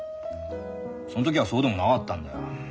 そん時はそうでもなかったんだよ。